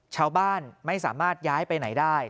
ชาวบ้านไม่สามารถย้ายไปไหนได้